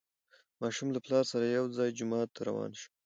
ماشوم له پلار سره یو ځای جومات ته روان شو